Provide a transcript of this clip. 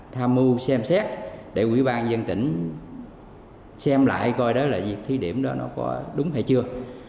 tham mưu xem xét để ủy ban nhân tỉnh xem lại coi đó là việc thí điểm đó có đúng hay chưa